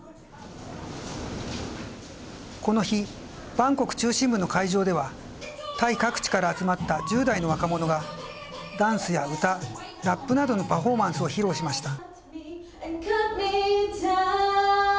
この日バンコク中心部の会場ではタイ各地から集まった１０代の若者がダンスや歌、ラップなどのパフォーマンスを披露しました。